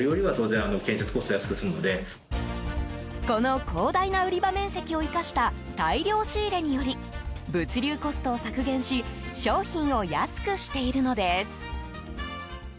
この広大な売り場面積を生かした大量仕入れにより物流コストを削減し商品を安くしているのです。